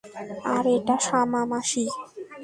আর এটা শামা মাসি।